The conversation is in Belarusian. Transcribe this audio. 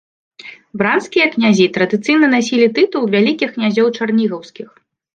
Бранскія князі традыцыйна насілі тытул вялікіх князёў чарнігаўскіх.